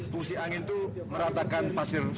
fungsi angin itu meratakan pasir